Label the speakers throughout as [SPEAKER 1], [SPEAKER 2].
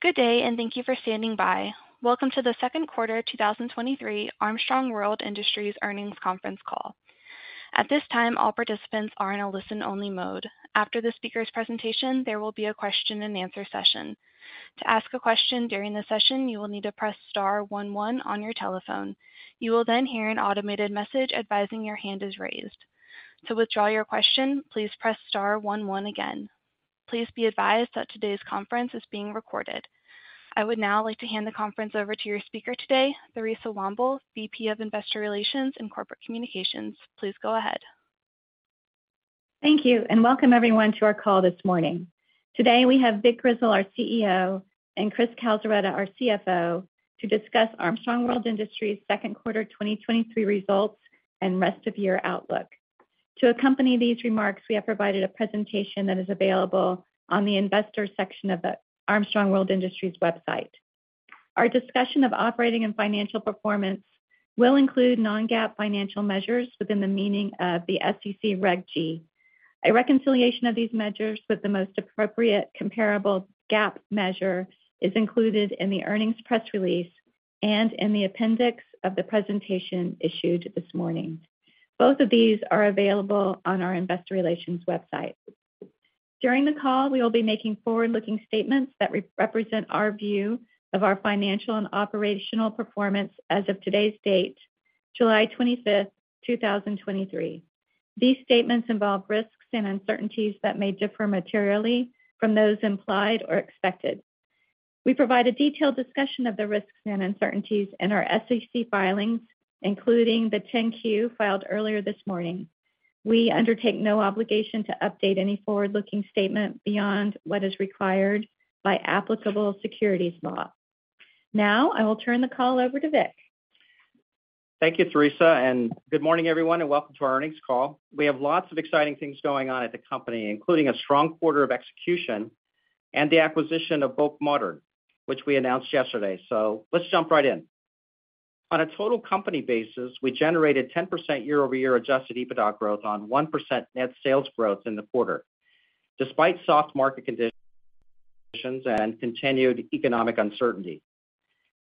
[SPEAKER 1] Good day, and thank you for standing by. Welcome to the second quarter of 2023 Armstrong World Industries Earnings Conference Call. At this time, all participants are in a listen-only mode. After the speaker's presentation, there will be a question-and-answer session. To ask a question during the session, you will need to press star one one on your telephone. You will then hear an automated message advising your hand is raised. To withdraw your question, please press star one one again. Please be advised that today's conference is being recorded. I would now like to hand the conference over to your speaker today, Theresa Womble, VP of Investor Relations and Corporate Communications. Please go ahead.
[SPEAKER 2] Thank you, and welcome everyone to our call this morning. Today, we have Vic Grizzle, our CEO, and Chris Calzaretta, our CFO, to discuss Armstrong World Industries' second quarter 2023 results and rest of year outlook. To accompany these remarks, we have provided a presentation that is available on the investor section of the Armstrong World Industries website. Our discussion of operating and financial performance will include non-GAAP financial measures within the meaning of the SEC Reg G. A reconciliation of these measures with the most appropriate comparable GAAP measure is included in the earnings press release and in the appendix of the presentation issued this morning. Both of these are available on our investor relations website. During the call, we will be making forward-looking statements that represent our view of our financial and operational performance as of today's date, July 25, 2023. These statements involve risks and uncertainties that may differ materially from those implied or expected. We provide a detailed discussion of the risks and uncertainties in our SEC filings, including the 10-Q, filed earlier this morning. We undertake no obligation to update any forward-looking statement beyond what is required by applicable securities law. I will turn the call over to Vic.
[SPEAKER 3] Thank you, Theresa, Good morning everyone, and welcome to our earnings call. We have lots of exciting things going on at the company, including a strong quarter of execution and the acquisition of BOK Modern, which we announced yesterday. Let's jump right in. On a total company basis, we generated 10% year-over-year adjusted EBITDA growth on 1% net sales growth in the quarter, despite soft market conditions and continued economic uncertainty.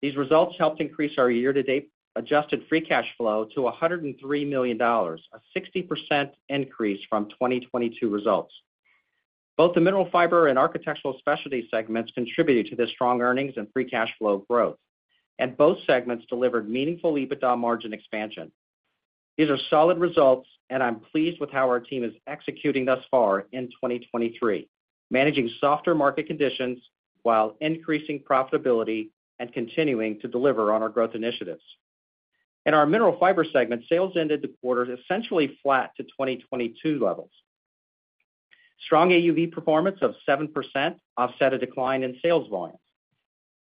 [SPEAKER 3] These results helped increase our year-to-date adjusted free cash flow to $103 million, a 60% increase from 2022 results. Both the Mineral Fiber and Architectural Specialties segments contributed to the strong earnings and free cash flow growth, and both segments delivered meaningful EBITDA margin expansion. These are solid results, and I'm pleased with how our team is executing thus far in 2023, managing softer market conditions while increasing profitability and continuing to deliver on our growth initiatives. In our Mineral Fiber segment, sales ended the quarter essentially flat to 2022 levels. Strong AUV performance of 7% offset a decline in sales volume.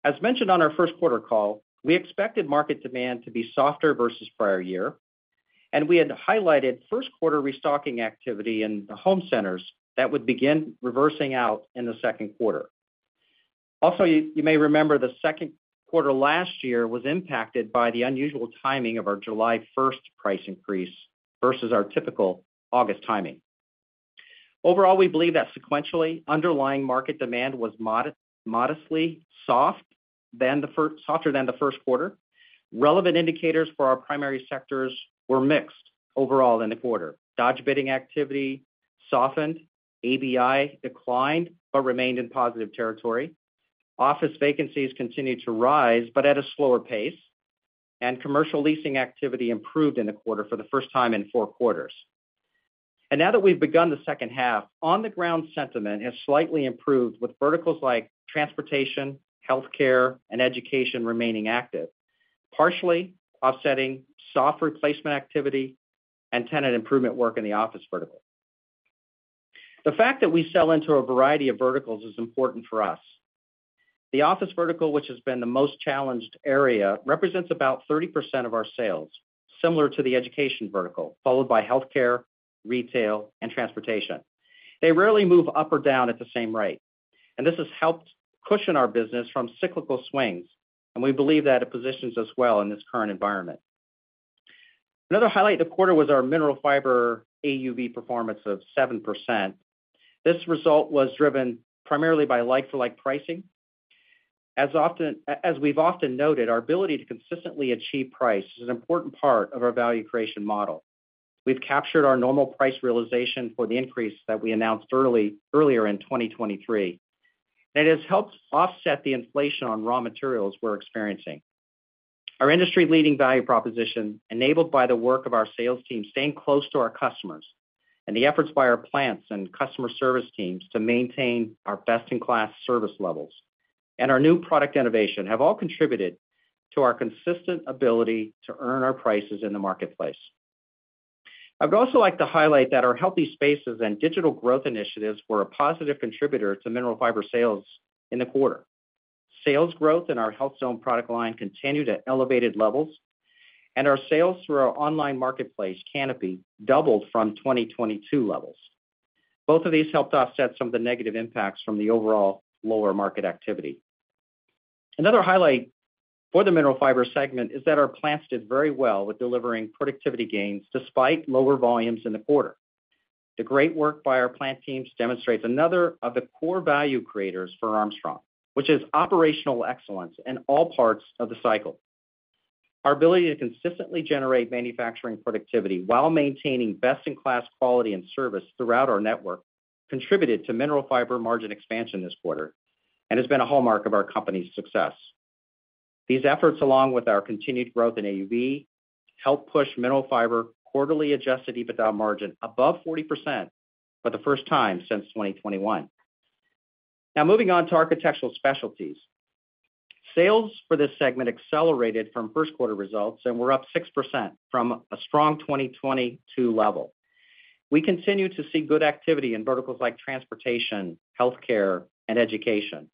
[SPEAKER 3] As mentioned on our first quarter call, we expected market demand to be softer versus prior year, and we had highlighted first quarter restocking activity in the home centers that would begin reversing out in the second quarter. Also, you may remember the second quarter last year was impacted by the unusual timing of our July first price increase versus our typical August timing. Overall, we believe that sequentially underlying market demand was modestly softer than the first quarter. Relevant indicators for our primary sectors were mixed overall in the quarter. Dodge bidding activity softened, ABI declined but remained in positive territory. Office vacancies continued to rise, but at a slower pace. Commercial leasing activity improved in the quarter for the first time in fourth quarter. Now that we've begun the second half, on-the-ground sentiment has slightly improved, with verticals like transportation, healthcare, and education remaining active, partially offsetting soft replacement activity and tenant improvement work in the office vertical. The fact that we sell into a variety of verticals is important for us. The office vertical, which has been the most challenged area, represents about 30% of our sales, similar to the education vertical, followed by healthcare, retail, and transportation. They rarely move up or down at the same rate, and this has helped cushion our business from cyclical swings, and we believe that it positions us well in this current environment. Another highlight of the quarter was our Mineral Fiber AUV performance of 7%. This result was driven primarily by like-for-like pricing. As we've often noted, our ability to consistently achieve price is an important part of our value creation model. We've captured our normal price realization for the increase that we announced early, earlier in 2023, and it has helped offset the inflation on raw materials we're experiencing. Our industry-leading value proposition, enabled by the work of our sales team, staying close to our customers, and the efforts by our plants and customer service teams to maintain our best-in-class service levels and our new product innovation, have all contributed to our consistent ability to earn our prices in the marketplace. I'd also like to highlight that our Healthy Spaces and digital growth initiatives were a positive contributor to Mineral Fiber sales in the quarter. Sales growth in our HEALTH ZONE product line continued at elevated levels, and our sales through our online marketplace, Kanopi, doubled from 2022 levels. Both of these helped offset some of the negative impacts from the overall lower market activity. Another highlight for the Mineral Fiber segment is that our plants did very well with delivering productivity gains despite lower volumes in the quarter. The great work by our plant teams demonstrates another of the core value creators for Armstrong, which is operational excellence in all parts of the cycle. Our ability to consistently generate manufacturing productivity while maintaining best-in-class quality and service throughout our network, contributed to Mineral Fiber margin expansion this quarter, and has been a hallmark of our company's success. These efforts, along with our continued growth in AUV, helped push Mineral Fiber quarterly adjusted EBITDA margin above 40% for the first time since 2021. Moving on to Architectural Specialties. Sales for this segment accelerated from first quarter results and were up 6% from a strong 2022 level. We continue to see good activity in verticals like transportation, healthcare, and education.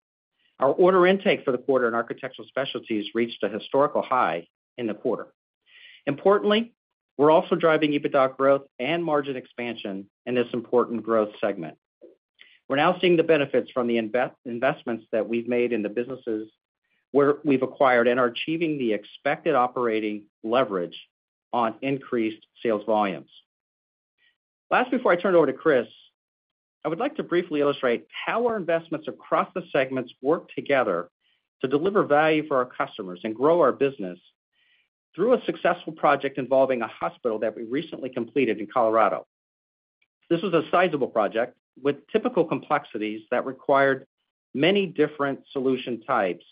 [SPEAKER 3] Our order intake for the quarter in Architectural Specialties reached a historical high in the quarter. Importantly, we're also driving EBITDA growth and margin expansion in this important growth segment. We're now seeing the benefits from the investments that we've made in the businesses where we've acquired and are achieving the expected operating leverage on increased sales volumes. Last, before I turn it over to Chris, I would like to briefly illustrate how our investments across the segments work together to deliver value for our customers and grow our business through a successful project involving a hospital that we recently completed in Colorado. This was a sizable project with typical complexities that required many different solution types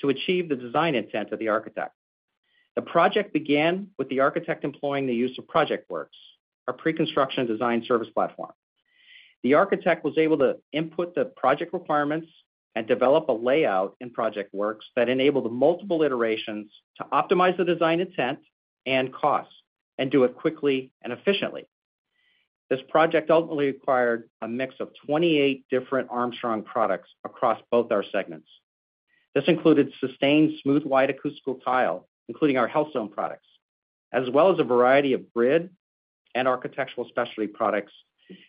[SPEAKER 3] to achieve the design intent of the architect. The project began with the architect employing the use of ProjectWorks, our pre-construction design service platform. The architect was able to input the project requirements and develop a layout in ProjectWorks that enabled multiple iterations to optimize the design intent and costs, and do it quickly and efficiently. This project ultimately required a mix of 28 different Armstrong products across both our segments. This included sustained, smooth, white acoustic tile, including our HEALTH ZONE products, as well as a variety of grid and architectural specialty products,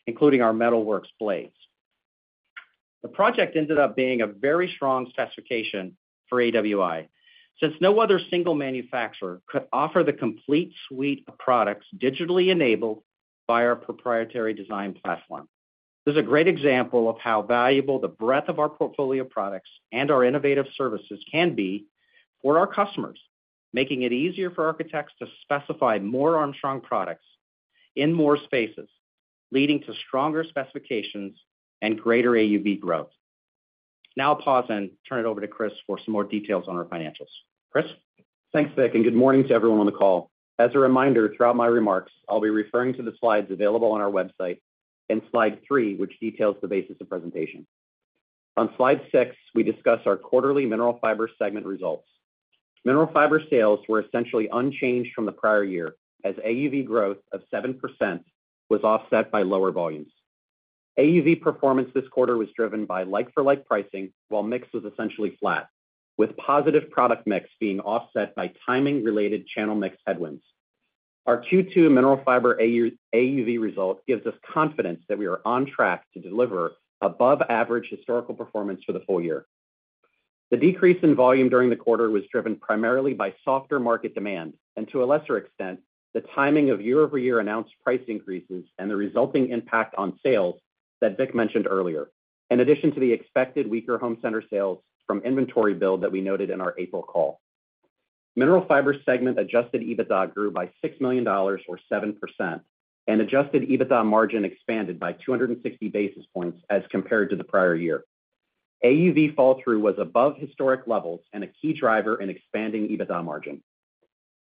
[SPEAKER 3] including our METALWORKS blades. The project ended up being a very strong specification for AWI, since no other single manufacturer could offer the complete suite of products digitally enabled by our proprietary design platform. This is a great example of how valuable the breadth of our portfolio of products and our innovative services can be for our customers, making it easier for architects to specify more Armstrong products in more spaces, leading to stronger specifications and greater AUV growth. Now I'll pause and turn it over to Chris for some more details on our financials. Chris?
[SPEAKER 4] Thanks, Vic. Good morning to everyone on the call. As a reminder, throughout my remarks, I'll be referring to the slides available on our website, and slide 3, which details the basis of presentation. On slide 6, we discuss our quarterly Mineral Fiber segment results. Mineral Fiber sales were essentially unchanged from the prior year, as AUV growth of 7% was offset by lower volumes. AUV performance this quarter was driven by like-for-like pricing, while mix was essentially flat, with positive product mix being offset by timing-related channel mix headwinds. Our Q2 Mineral Fiber AUV result gives us confidence that we are on track to deliver above average historical performance for the full year. The decrease in volume during the quarter was driven primarily by softer market demand, and to a lesser extent, the timing of year-over-year announced price increases and the resulting impact on sales that Vic mentioned earlier, in addition to the expected weaker home center sales from inventory build that we noted in our April call. Mineral Fiber segment adjusted EBITDA grew by $6 million, or 7%, and adjusted EBITDA margin expanded by 260 basis points as compared to the prior year. AUV fall-through was above historic levels and a key driver in expanding EBITDA margin.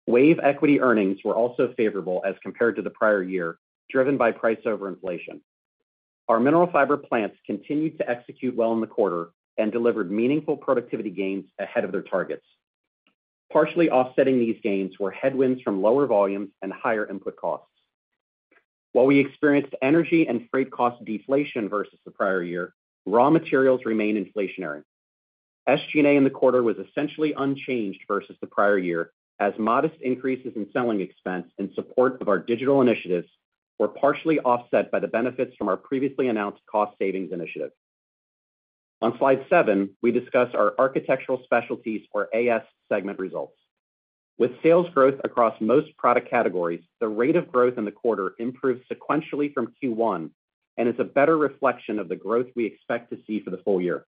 [SPEAKER 4] WAVE equity earnings were also favorable as compared to the prior year, driven by price over inflation. Our Mineral Fiber plants continued to execute well in the quarter and delivered meaningful productivity gains ahead of their targets. Partially offsetting these gains were headwinds from lower volumes and higher input costs. While we experienced energy and freight cost deflation versus the prior year, raw materials remain inflationary. SG&A in the quarter was essentially unchanged versus the prior year, as modest increases in selling expense in support of our digital initiatives were partially offset by the benefits from our previously announced cost savings initiative. On slide 7, we discuss our Architectural Specialties, or AS, segment results. With sales growth across most product categories, the rate of growth in the quarter improved sequentially from Q1 and is a better reflection of the growth we expect to see for the full year.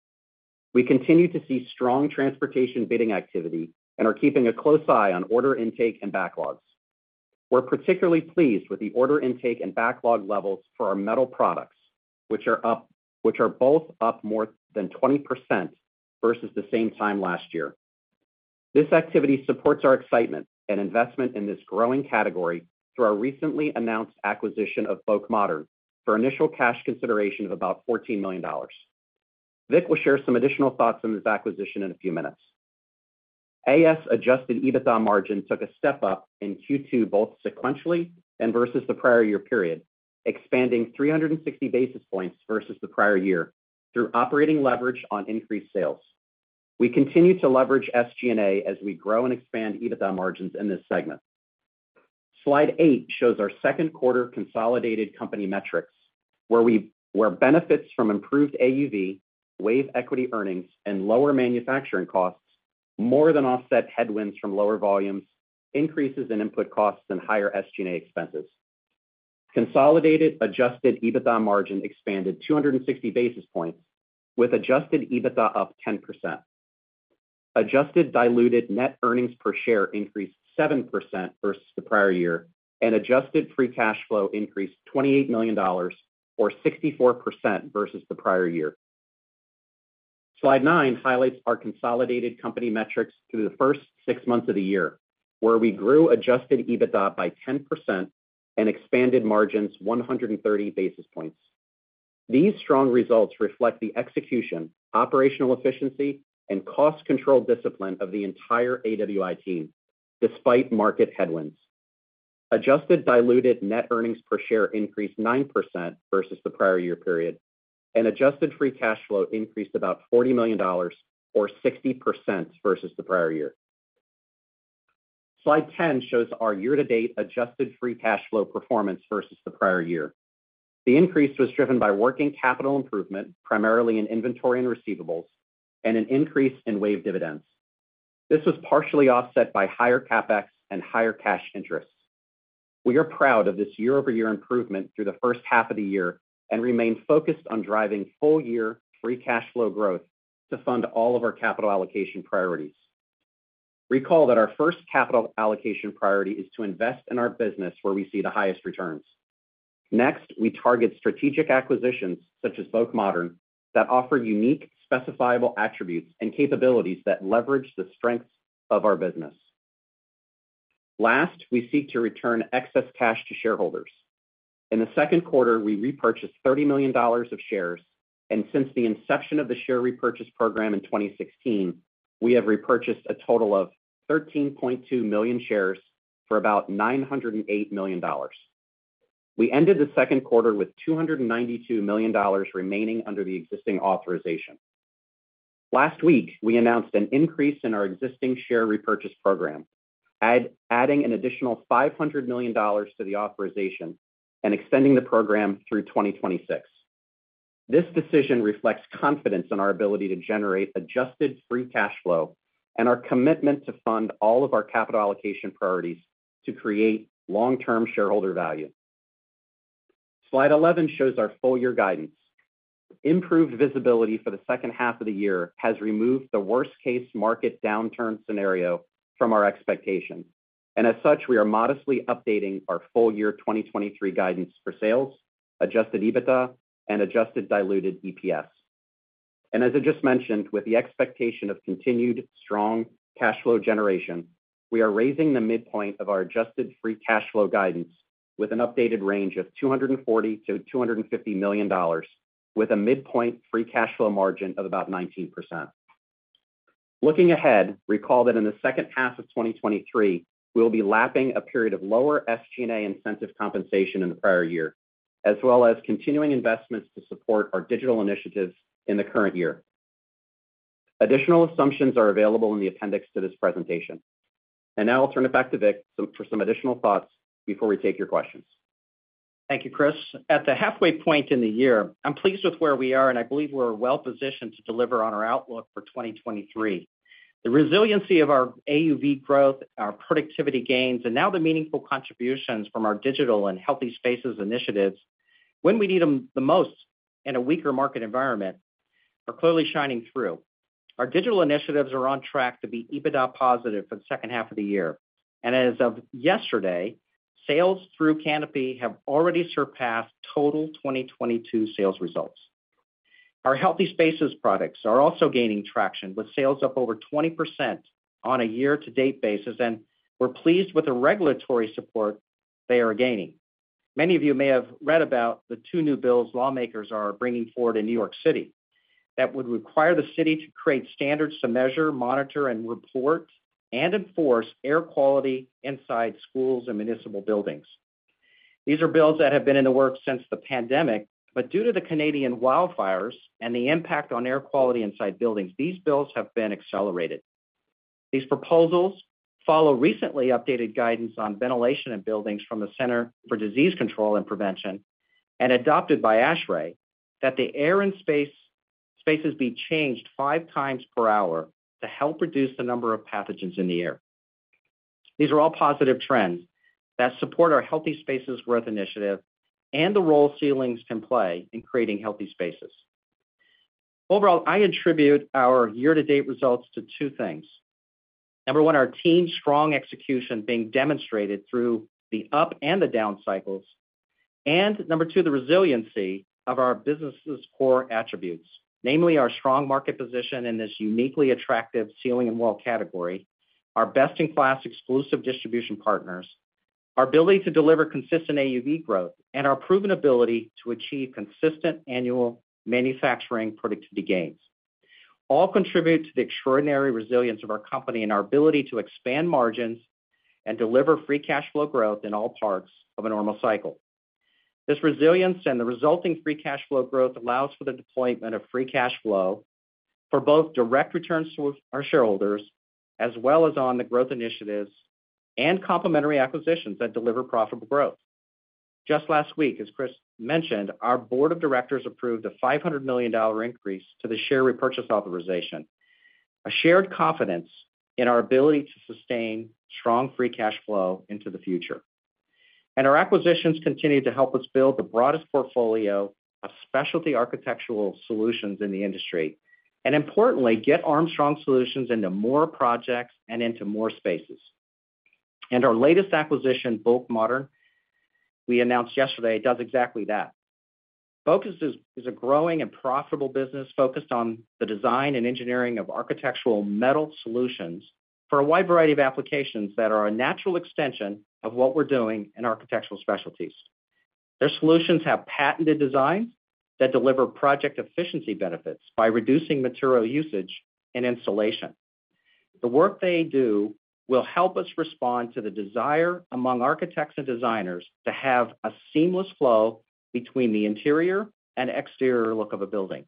[SPEAKER 4] We continue to see strong transportation bidding activity and are keeping a close eye on order intake and backlogs. We're particularly pleased with the order intake and backlog levels for our metal products, which are both up more than 20% versus the same time last year. This activity supports our excitement and investment in this growing category through our recently announced acquisition of BOK Modern, for initial cash consideration of about $14 million. Vic will share some additional thoughts on this acquisition in a few minutes. AS adjusted EBITDA margin took a step up in Q2, both sequentially and versus the prior-year period, expanding 360 basis points versus the prior-year through operating leverage on increased sales. We continue to leverage SG&A as we grow and expand EBITDA margins in this segment. Slide 8 shows our second quarter consolidated company metrics, where benefits from improved AUV, WAVE equity earnings, and lower manufacturing costs, more than offset headwinds from lower volumes, increases in input costs, and higher SG&A expenses. Consolidated adjusted EBITDA margin expanded 260 basis points, with adjusted EBITDA up 10%. Adjusted diluted net earnings per share increased 7% versus the prior year, and adjusted free cash flow increased $28 million or 64% versus the prior year. Slide 9 highlights our consolidated company metrics through the first six months of the year, where we grew adjusted EBITDA by 10% and expanded margins 130 basis points. These strong results reflect the execution, operational efficiency, and cost control discipline of the entire AWI team, despite market headwinds. Adjusted diluted net earnings per share increased 9% versus the prior year period, and adjusted free cash flow increased about $40 million or 60% versus the prior year. Slide 10 shows our year-to-date adjusted free cash flow performance versus the prior year. The increase was driven by working capital improvement, primarily in inventory and receivables, and an increase in WAVE dividends. This was partially offset by higher CapEx and higher cash interest. We are proud of this year-over-year improvement through the first half of the year, and remain focused on driving full year free cash flow growth to fund all of our capital allocation priorities. Recall that our first capital allocation priority is to invest in our business where we see the highest returns. Next, we target strategic acquisitions such as BOK Modern, that offer unique specifiable attributes and capabilities that leverage the strengths of our business. Last, we seek to return excess cash to shareholders. In the second quarter, we repurchased $30 million of shares, and since the inception of the share repurchase program in 2016, we have repurchased a total of 13.2 million shares for about $908 million. We ended the second quarter with $292 million remaining under the existing authorization. Last week, we announced an increase in our existing share repurchase program, adding an additional $500 million to the authorization and extending the program through 2026. This decision reflects confidence in our ability to generate adjusted free cash flow and our commitment to fund all of our capital allocation priorities to create long-term shareholder value. Slide 11 shows our full year guidance. Improved visibility for the second half of the year has removed the worst case market downturn scenario from our expectations. As such, we are modestly updating our full year 2023 guidance for sales, adjusted EBITDA, and adjusted diluted EPS. As I just mentioned, with the expectation of continued strong cash flow generation, we are raising the midpoint of our adjusted free cash flow guidance with an updated range of $240 million-$250 million, with a midpoint free cash flow margin of about 19%. Looking ahead, recall that in the second half of 2023, we will be lapping a period of lower SG&A incentive compensation in the prior year, as well as continuing investments to support our digital initiatives in the current year. Additional assumptions are available in the appendix to this presentation. Now I'll turn it back to Vic for some additional thoughts before we take your questions.
[SPEAKER 3] Thank you, Chris. At the halfway point in the year, I'm pleased with where we are, and I believe we're well positioned to deliver on our outlook for 2023. The resiliency of our AUV growth, our productivity gains, and now the meaningful contributions from our digital and Healthy Spaces initiatives when we need them the most in a weaker market environment, are clearly shining through. Our digital initiatives are on track to be EBITDA positive for the second half of the year. As of yesterday, sales through Kanopi have already surpassed total 2022 sales results. Our Healthy Spaces products are also gaining traction, with sales up over 20% on a year-to-date basis, and we're pleased with the regulatory support they are gaining. Many of you may have read about the 2 new bills lawmakers are bringing forward in New York City that would require the city to create standards to measure, monitor, report, and enforce air quality inside schools and municipal buildings. These are bills that have been in the works since the pandemic, but due to the Canadian wildfires and the impact on air quality inside buildings, these bills have been accelerated. These proposals follow recently updated guidance on ventilation in buildings from the Centers for Disease Control and Prevention, and adopted by ASHRAE, that the air and spaces be changed 5 times per hour to help reduce the number of pathogens in the air. These are all positive trends that support our Healthy Spaces growth initiative and the role ceilings can play in creating healthy spaces. Overall, I attribute our year-to-date results to 2 things. Number 1, our team's strong execution being demonstrated through the up and the down cycles. Number 2, the resiliency of our business' core attributes, namely our strong market position in this uniquely attractive ceiling and wall category, our best-in-class exclusive distribution partners, our ability to deliver consistent AUV growth, and our proven ability to achieve consistent annual manufacturing productivity gains. All contribute to the extraordinary resilience of our company and our ability to expand margins and deliver free cash flow growth in all parts of a normal cycle. This resilience and the resulting free cash flow growth allows for the deployment of free cash flow for both direct returns to our shareholders, as well as on the growth initiatives and complementary acquisitions that deliver profitable growth. Just last week, as Chris mentioned, our board of directors approved a $500 million increase to the share repurchase authorization, a shared confidence in our ability to sustain strong free cash flow into the future. Our acquisitions continue to help us build the broadest portfolio of specialty Architectural Specialties solutions in the industry, importantly, get Armstrong solutions into more projects and into more spaces. Our latest acquisition, BOK Modern, we announced yesterday, does exactly that. Focuses is a growing and profitable business focused on the design and engineering of architectural metal solutions for a wide variety of applications that are a natural extension of what we're doing in Architectural Specialties. Their solutions have patented designs that deliver project efficiency benefits by reducing material usage and installation. The work they do will help us respond to the desire among architects and designers to have a seamless flow between the interior and exterior look of a building.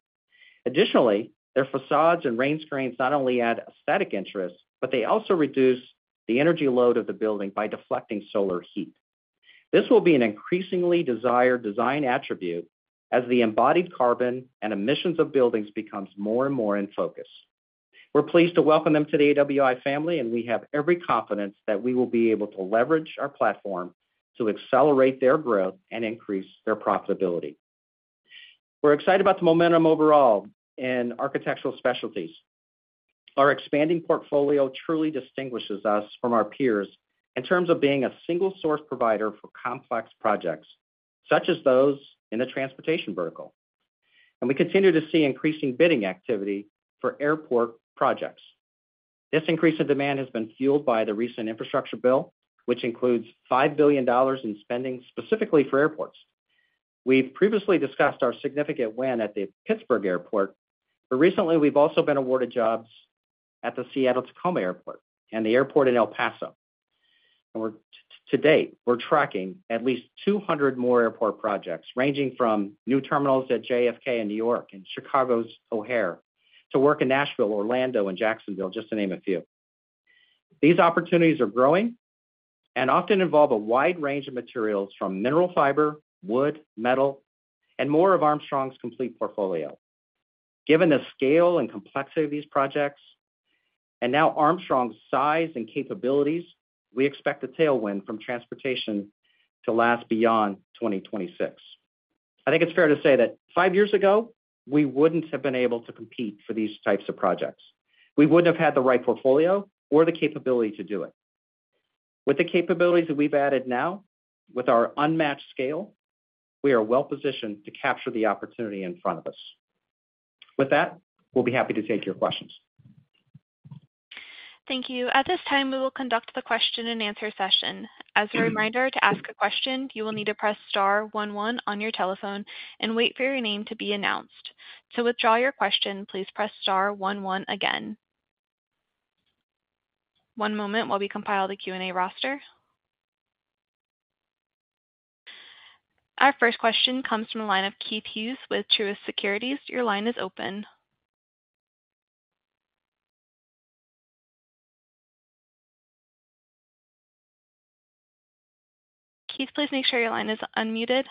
[SPEAKER 3] Additionally, their facades and rain screens not only add aesthetic interest, but they also reduce the energy load of the building by deflecting solar heat. This will be an increasingly desired design attribute as the embodied carbon and emissions of buildings becomes more and more in focus. We're pleased to welcome them to the AWI family, and we have every confidence that we will be able to leverage our platform to accelerate their growth and increase their profitability. We're excited about the momentum overall in Architectural Specialties. Our expanding portfolio truly distinguishes us from our peers in terms of being a single source provider for complex projects, such as those in the transportation vertical. We continue to see increasing bidding activity for airport projects. This increase in demand has been fueled by the recent infrastructure bill, which includes $5 billion in spending specifically for airports. We've previously discussed our significant win at the Pittsburgh Airport, but recently we've also been awarded jobs at the Seattle Tacoma Airport and the airport in El Paso. To date, we're tracking at least 200 more airport projects, ranging from new terminals at JFK in New York and Chicago's O'Hare, to work in Nashville, Orlando, and Jacksonville, just to name a few. These opportunities are growing and often involve a wide range of materials from mineral fiber, wood, metal, and more of Armstrong's complete portfolio. Given the scale and complexity of these projects, and now Armstrong's size and capabilities, we expect a tailwind from transportation to last beyond 2026. I think it's fair to say that five years ago, we wouldn't have been able to compete for these types of projects. We wouldn't have had the right portfolio or the capability to do it. With the capabilities that we've added now, with our unmatched scale, we are well positioned to capture the opportunity in front of us. With that, we'll be happy to take your questions.
[SPEAKER 1] Thank you. At this time, we will conduct the question-and-answer session. As a reminder, to ask a question, you will need to press star 1 1 on your telephone and wait for your name to be announced. To withdraw your question, please press star 1 1 again. One moment while we compile the Q&A roster. Our first question comes from the line of Keith Hughes with Truist Securities. Your line is open. Keith, please make sure your line is unmuted.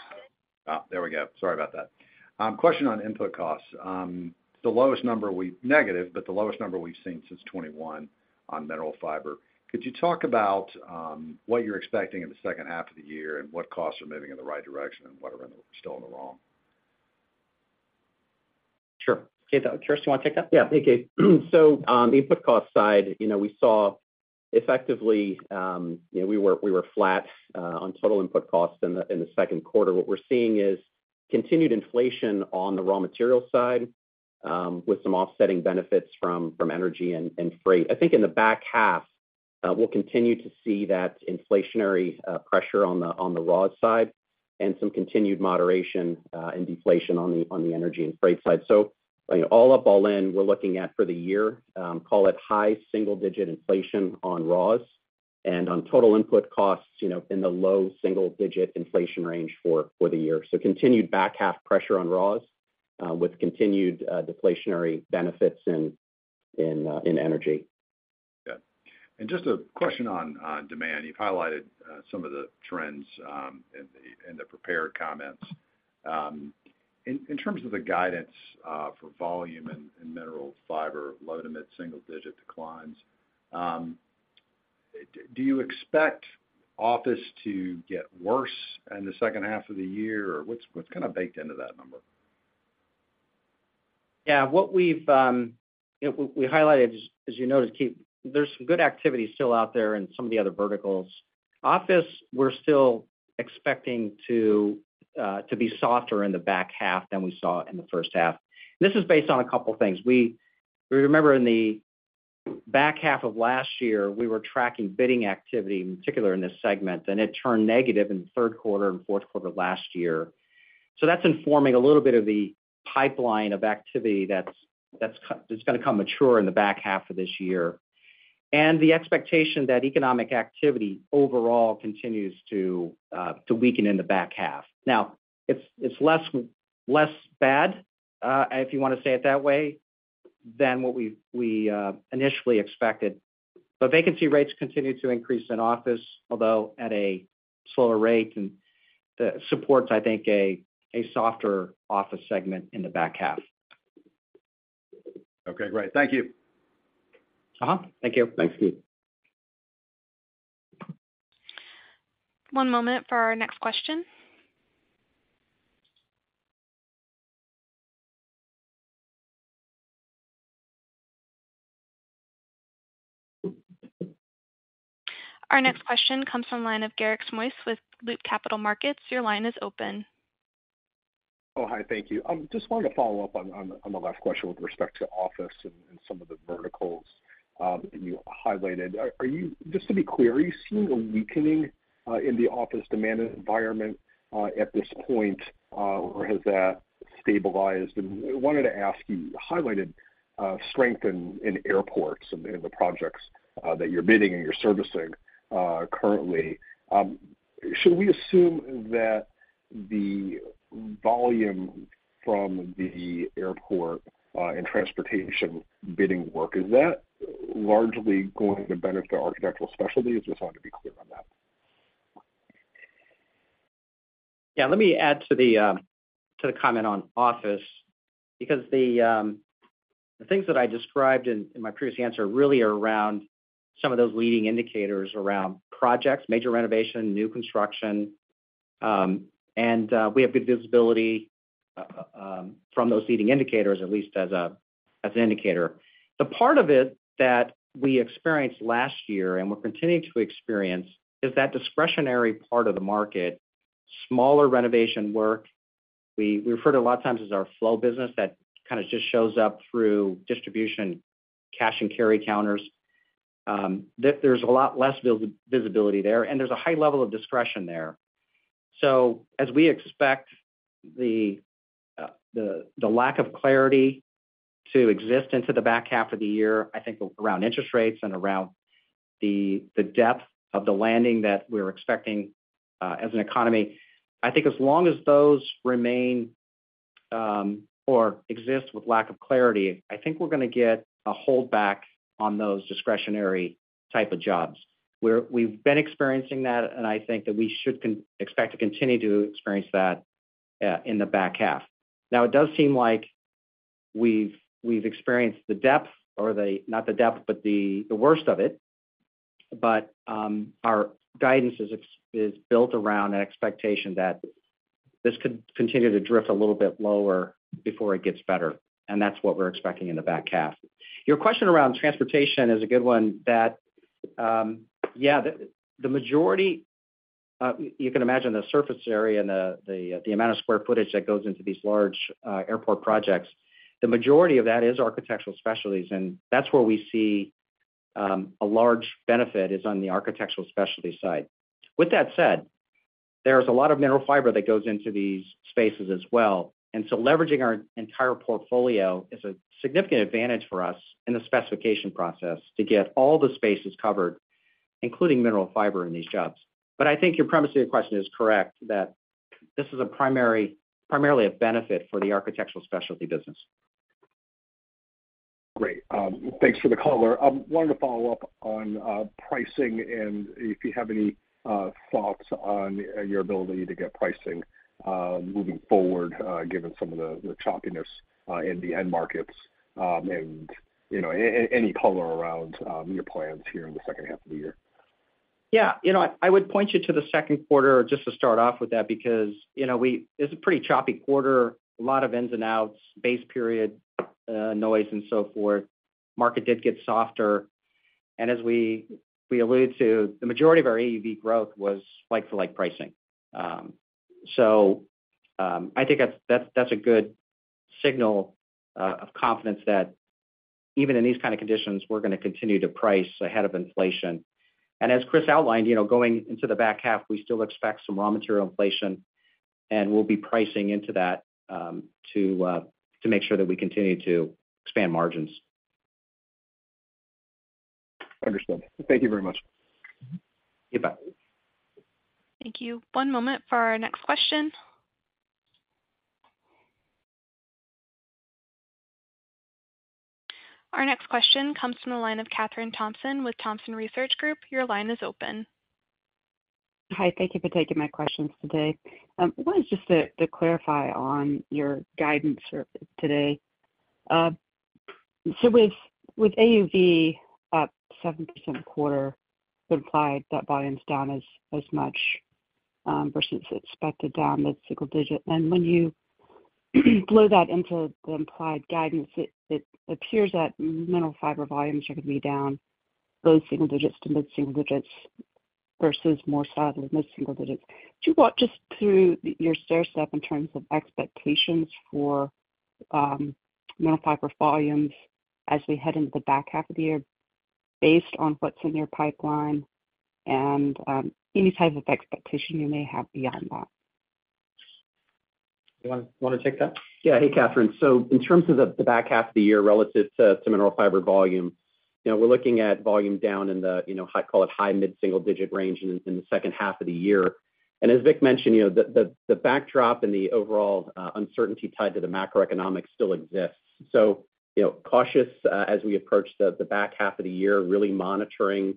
[SPEAKER 5] There we go. Sorry about that. Question on input costs. The lowest number we've negative, but the lowest number we've seen since 2021 on Mineral Fiber. Could you talk about what you're expecting in the second half of the year, and what costs are moving in the right direction and what are still in the wrong?
[SPEAKER 3] Sure. Keith, Chris, you wanna take that?
[SPEAKER 4] Yeah. Hey, Keith. The input cost side, you know, we saw effectively, you know, we were flat on total input costs in the second quarter. What we're seeing is continued inflation on the raw material side, with some offsetting benefits from energy and freight. I think in the back half, we'll continue to see that inflationary pressure on the raw side and some continued moderation and deflation on the energy and freight side. You know, all up, all in, we're looking at for the year, call it high single-digit inflation on raws and on total input costs, you know, in the low single-digit inflation range for the year. Continued back half pressure on raws, with continued deflationary benefits in energy.
[SPEAKER 5] Yeah. Just a question on demand. You've highlighted some of the trends in the prepared comments. In terms of the guidance for volume and Mineral Fiber, low to mid single digit declines, do you expect office to get worse in the second half of the year, or what's kind of baked into that number?
[SPEAKER 4] Yeah, what we've, you know, we highlighted, as you noted, Keith, there's some good activity still out there in some of the other verticals. Office, we're still expecting to be softer in the back half than we saw in the first half. This is based on a couple things. We remember in the back half of last year, we were tracking bidding activity, in particular in this segment, and it turned negative in the third quarter and fourth quarter of last year.
[SPEAKER 3] that's informing a little bit of the pipeline of activity that's gonna come mature in the back half of this year. The expectation that economic activity overall continues to weaken in the back half. Now, it's less, less bad, if you wanna say it that way, than what we initially expected. vacancy rates continue to increase in office, although at a slower rate, and that supports, I think, a softer office segment in the back half.
[SPEAKER 5] Okay, great. Thank you.
[SPEAKER 3] Thank you.
[SPEAKER 6] Thanks, Steve.
[SPEAKER 1] One moment for our next question. Our next question comes from the line of Garik Shmois with Loop Capital Markets. Your line is open.
[SPEAKER 7] Oh, hi, thank you. Just wanted to follow up on the last question with respect to office and some of the verticals you highlighted. Just to be clear, are you seeing a weakening in the office demand environment at this point, or has that stabilized? I wanted to ask you highlighted strength in airports and in the projects that you're bidding and you're servicing currently. Should we assume that the volume from the airport and transportation bidding work, is that largely going to benefit our Architectural Specialties? Just wanted to be clear on that.
[SPEAKER 3] Yeah, let me add to the, to the comment on office, because the things that I described in my previous answer really are around some of those leading indicators around projects, major renovation, new construction. We have good visibility, from those leading indicators, at least as a, as an indicator. The part of it that we experienced last year, and we're continuing to experience, is that discretionary part of the market, smaller renovation work. We refer to it a lot of times as our flow business, that kind of just shows up through distribution, cash and carry counters. That there's a lot less visibility there, and there's a high level of discretion there. As we expect the lack of clarity to exist into the back half of the year, I think around interest rates and around the depth of the landing that we're expecting as an economy, I think as long as those remain or exist with lack of clarity, I think we're gonna get a holdback on those discretionary type of jobs. We've been experiencing that, and I think that we should expect to continue to experience that in the back half. Now, it does seem like we've experienced the depth or not the depth, but the worst of it. Our guidance is built around an expectation that this could continue to drift a little bit lower before it gets better, and that's what we're expecting in the back half. Your question around transportation is a good one that, yeah, the majority, you can imagine the surface area and the amount of square footage that goes into these large airport projects. The majority of that is Architectural Specialties, That's where we see a large benefit is on the Architectural Specialty side. With that said, there's a lot of Mineral Fiber that goes into these spaces as well, Leveraging our entire portfolio is a significant advantage for us in the specification process to get all the spaces covered, including Mineral Fiber in these jobs. I think your premise of your question is correct, that this is primarily a benefit for the Architectural Specialty business.
[SPEAKER 7] Great. Thanks for the color. Wanted to follow up on pricing and if you have any thoughts on your ability to get pricing moving forward, given some of the choppiness in the end markets, and, you know, any color around your plans here in the second half of the year.
[SPEAKER 3] Yeah, you know, I would point you to the second quarter, just to start off with that, because, you know, we. It's a pretty choppy quarter, a lot of ins and outs, base period, noise and so forth. Market did get softer. As we alluded to, the majority of our AUV growth was like-for-like pricing. So, I think that's, that's a good signal of confidence that even in these kind of conditions, we're gonna continue to price ahead of inflation. As Chris outlined, you know, going into the back half, we still expect some raw material inflation, and we'll be pricing into that to make sure that we continue to expand margins.
[SPEAKER 7] Understood. Thank you very much.
[SPEAKER 3] You bet.
[SPEAKER 1] Thank you. One moment for our next question. Our next question comes from the line of Kathryn Thompson with Thompson Research Group. Your line is open.
[SPEAKER 6] Hi, thank you for taking my questions today. I wanted just to clarify on your guidance for today. With AUV up 7% quarter, implied that volume's down as much versus expected down with single-digit. When you blow that into the implied guidance, it appears that Mineral Fiber volumes are gonna be down low single-digits to mid-single-digits versus more solidly mid-single-digits. Could you walk just through your stair step in terms of expectations for Mineral Fiber volumes as we head into the back half of the year based on what's in your pipeline and any type of expectation you may have beyond that?
[SPEAKER 3] You want to take that?
[SPEAKER 4] Yeah. Hey, Catherine. In terms of the back half of the year relative to Mineral Fiber volume, you know, we're looking at volume down in the high, call it high mid-single digit range in the second half of the year. As Vic mentioned, you know, the backdrop and the overall uncertainty tied to the macroeconomic still exists. You know, cautious as we approach the back half of the year, really monitoring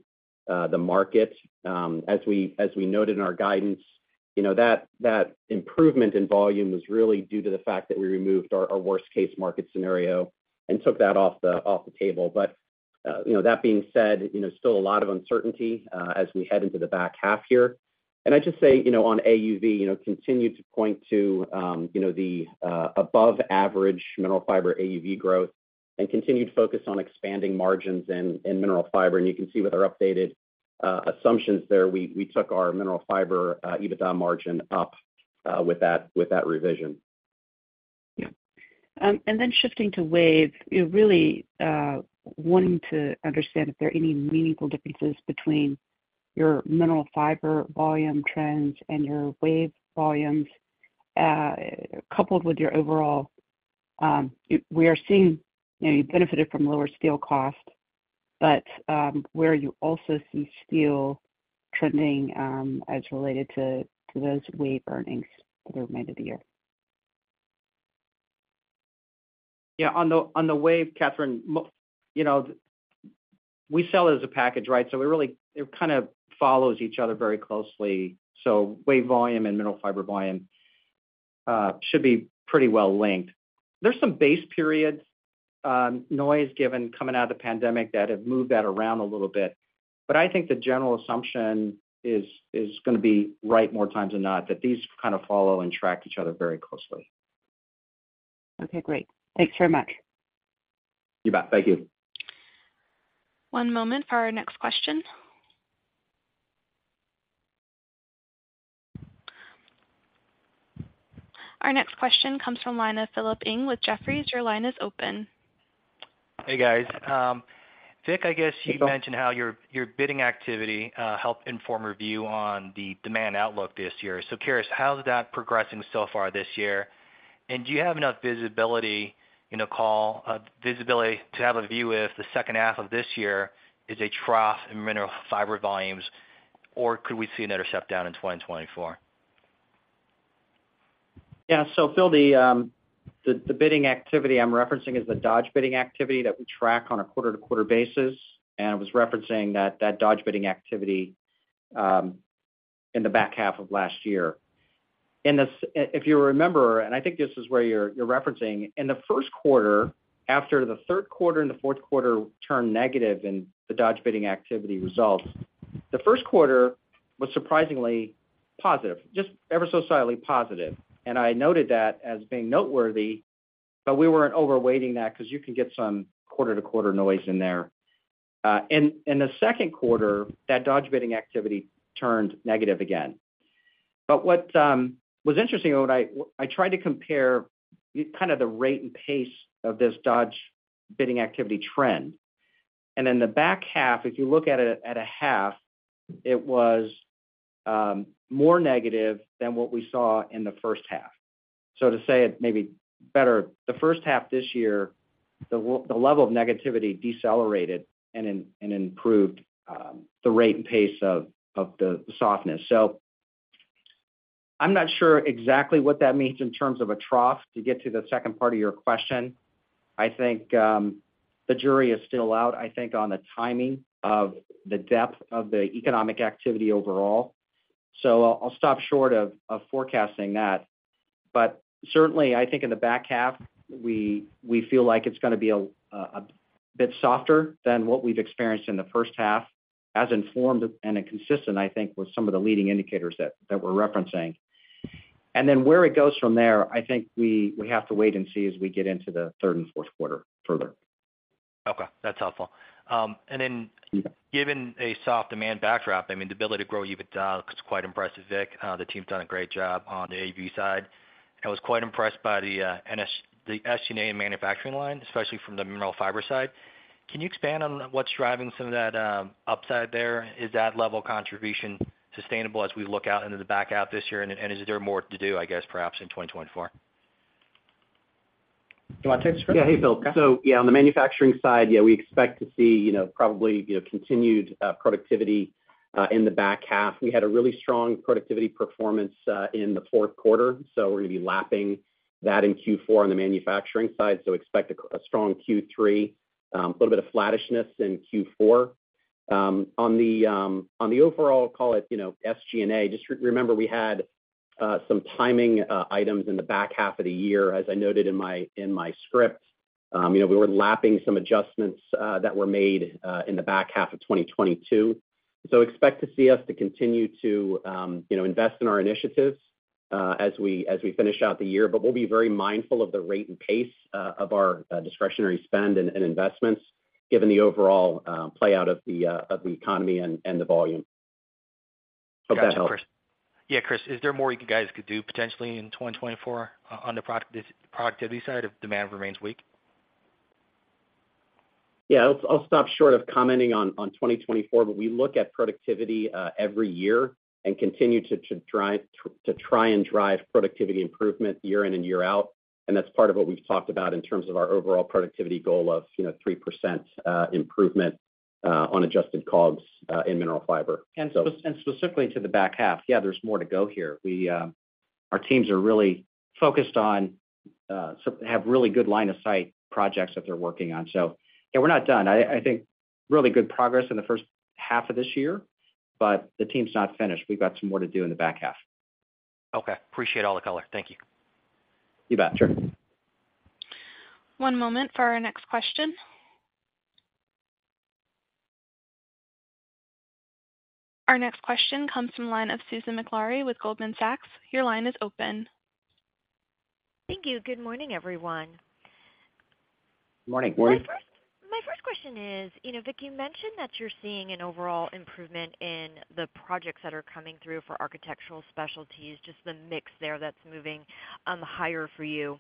[SPEAKER 4] the market. As we noted in our guidance, you know, that improvement in volume was really due to the fact that we removed our worst case market scenario and took that off the table. You know, that being said, you know, still a lot of uncertainty as we head into the back half here. I'd just say, you know, on AUV, you know, continued to point to, you know, the above average Mineral Fiber AUV growth and continued focus on expanding margins in Mineral Fiber. You can see with our updated assumptions there, we took our Mineral Fiber EBITDA margin up with that revision.
[SPEAKER 6] Yeah. Shifting to Wave, really, wanting to understand if there are any meaningful differences between your Mineral Fiber volume trends and your Wave volumes, coupled with your overall. We are seeing, you know, you benefited from lower steel costs, where you also see steel trending, as related to those Wave earnings through the end of the year.
[SPEAKER 4] Yeah, on the WAVE, Catherine, you know, we sell it as a package, right? We really, it kind of follows each other very closely. WAVE volume and Mineral Fiber volume should be pretty well linked. There's some base periods, noise given coming out of the pandemic that have moved that around a little bit, but I think the general assumption is gonna be right more times than not, that these kind of follow and track each other very closely.
[SPEAKER 6] Okay, great. Thanks very much.
[SPEAKER 4] You bet. Thank you.
[SPEAKER 1] One moment for our next question. Our next question comes from the line of Philip Ng with Jefferies. Your line is open.
[SPEAKER 8] Hey, guys. Vic, I guess you
[SPEAKER 4] Hello.
[SPEAKER 8] -how your bidding activity helped inform your view on the demand outlook this year. Curious, how's that progressing so far this year? Do you have enough visibility in the call visibility to have a view if the second half of this year is a trough in Mineral Fiber volumes, or could we see another shutdown in 2024?
[SPEAKER 3] Yeah. Phil, the bidding activity I'm referencing is the Dodge bidding activity that we track on a quarter-to-quarter basis, and was referencing that Dodge bidding activity in the back half of last year. If you remember, and I think this is where you're referencing, in the first quarter, after the third quarter and the fourth quarter turned negative in the Dodge bidding activity results, the first quarter was surprisingly positive, just ever so slightly positive. I noted that as being noteworthy, but we weren't overweighting that because you can get some quarter-to-quarter noise in there. In the second quarter, that Dodge bidding activity turned negative again. What was interesting, when I tried to compare kind of the rate and pace of this Dodge bidding activity trend, and in the back half, if you look at it at a half, it was more negative than what we saw in the first half. To say it maybe better, the first half this year, the level of negativity decelerated and improved, the rate and pace of the softness. I'm not sure exactly what that means in terms of a trough, to get to the second part of your question. I think, the jury is still out, I think, on the timing of the depth of the economic activity overall. I'll stop short of forecasting that. Certainly, I think in the back half, we feel like it's gonna be a bit softer than what we've experienced in the first half, as informed and consistent, I think, with some of the leading indicators that we're referencing. Then where it goes from there, I think we have to wait and see as we get into the third and fourth quarter further.
[SPEAKER 8] Okay, that's helpful.
[SPEAKER 3] Mm-hmm.
[SPEAKER 8] Given a soft demand backdrop, I mean, the ability to grow EBITDA looks quite impressive, Vic. The team's done a great job on the AV side. I was quite impressed by the SG&A manufacturing line, especially from the Mineral Fiber side. Can you expand on what's driving some of that upside there? Is that level of contribution sustainable as we look out into the back half this year, and is there more to do, I guess, perhaps in 2024?
[SPEAKER 3] Do you want to take this, Chris?
[SPEAKER 4] Yeah. Hey, Phil. Yeah, on the manufacturing side, yeah, we expect to see, you know, probably, you know, continued productivity in the back half. We had a really strong productivity performance in the fourth quarter, so we're gonna be lapping that in Q4 on the manufacturing side. Expect a strong Q3, a little bit of flattishness in Q4. On the overall, call it, you know, SG&A, just remember, we had some timing items in the back half of the year, as I noted in my script. You know, we were lapping some adjustments that were made in the back half of 2022. Expect to see us to continue to, you know, invest in our initiatives as we finish out the year. We'll be very mindful of the rate and pace of our discretionary spend and investments, given the overall playout of the economy and the volume.
[SPEAKER 8] Gotcha, Chris. Yeah, Chris, is there more you guys could do potentially in 2024 on the productivity side if demand remains weak?
[SPEAKER 4] Yeah, I'll stop short of commenting on 2024, but we look at productivity every year and continue to drive, to try and drive productivity improvement year in and year out. That's part of what we've talked about in terms of our overall productivity goal of, you know, 3% improvement on adjusted COGS in Mineral Fiber. Specifically to the back half, yeah, there's more to go here. We, our teams are really focused on, so have really good line of sight projects that they're working on. Yeah, we're not done. I think really good progress in the first half of this year, but the team's not finished. We've got some more to do in the back half.
[SPEAKER 8] Okay. Appreciate all the color. Thank you.
[SPEAKER 4] You bet, sir.
[SPEAKER 1] One moment for our next question. Our next question comes from the line of Susan Maklari with Goldman Sachs. Your line is open.
[SPEAKER 9] Thank you. Good morning, everyone.
[SPEAKER 3] Good morning.
[SPEAKER 9] My first question is, you know, Vic, you mentioned that you're seeing an overall improvement in the projects that are coming through for Architectural Specialties, just the mix there that's moving higher for you.